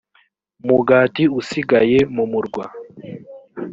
mugati usigaye mu murwa